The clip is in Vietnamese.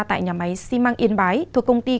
tại nhà máy xi măng yên bái thuộc công ty